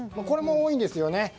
これも多いんですよね。